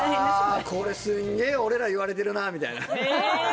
あこれすんげえ俺ら言われてるなみたいなえっ！